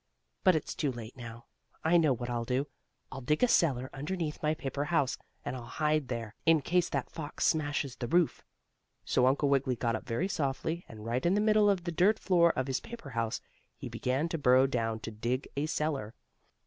But it's too late now. I know what I'll do. I'll dig a cellar underneath my paper house, and I'll hide there, in case that fox smashes the roof." So Uncle Wiggily got up very softly, and right in the middle of the dirt floor of his paper house he began to burrow down to dig a cellar.